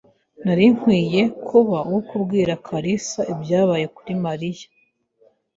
Nari nkwiye kuba uwo kubwira kalisa ibyabaye kuri Mariya.